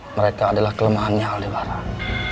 mereka adalah kelemahannya aldebaran